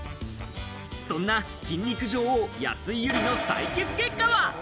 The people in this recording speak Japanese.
そんな筋肉女王、安井友梨の採血結果は。